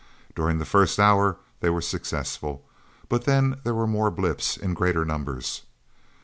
During the first hour, they were successful. But then there were more blips, in greater numbers.